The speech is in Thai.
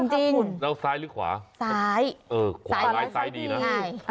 จริงแล้วซ้ายหรือขวาซ้ายเออขวาร้ายซ้ายดีนะใช่